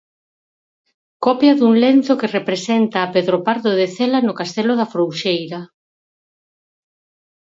Copia dun lenzo que representa a Pedro Pardo de Cela no Castelo da Frouxeira.